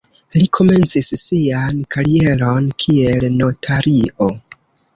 Li komencis sian karieron kiel notario.